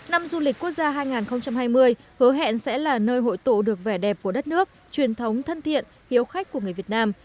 năm du lịch quốc gia hai nghìn hai mươi hứa hẹn sẽ là nơi hội tụ được vẻ đẹp của đất nước truyền thống thân thiện hiếu khách của người việt nam